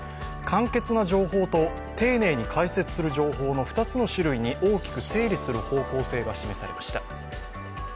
簡潔な情報と丁寧に解説する情報の２つの種類に大きく整理する方向性が示されました。